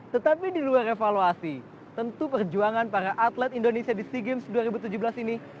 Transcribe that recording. tetapi di luar evaluasi tentu perjuangan para atlet indonesia di sea games dua ribu tujuh belas ini